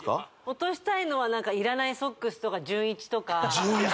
落としたいのはいらないソックスとか純一とか純一！